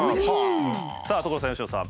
さあ所さん佳乃さん。